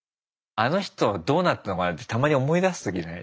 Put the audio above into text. あの人どうなったのかなってたまに思い出す時ない？